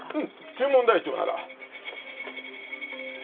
注文台帳なら。